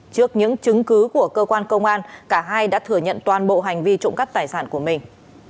trước những chứng cứ của cơ quan công an cả hai đã thừa nhận toàn bộ hành vi trộm cắp tài sản của mình